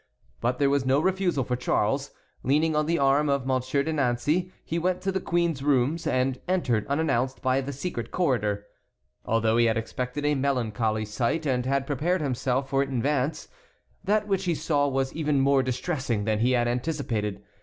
But there was no refusal for Charles. Leaning on the arm of Monsieur de Nancey, he went to the queen's rooms and entered unannounced by the secret corridor. Although he had expected a melancholy sight, and had prepared himself for it in advance, that which he saw was even more distressing than he had anticipated.